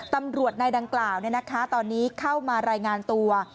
ตำรวจนายดังกล่าวตอนนี้เข้ามารายงานตัว